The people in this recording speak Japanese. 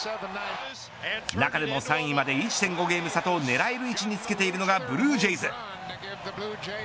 中でも３位まで１．５ゲーム差と狙える位置につけているのがブルージェイズ。